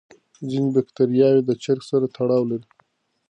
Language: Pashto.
ځینې بکتریاوې د چرګ سره تړاو لري.